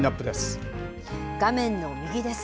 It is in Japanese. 画面の右です。